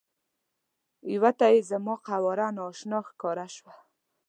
یوه ته یې زما قواره نا اشنا ښکاره شوه.